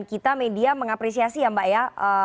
kita media mengapresiasi ya mbak ya